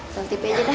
sampai jumpa aja dah